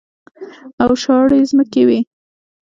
او شاړې ځمکې وې.